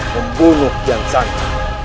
membunuh kian santah